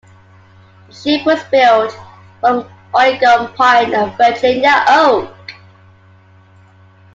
The ship was built from Oregon pine and Virginia oak.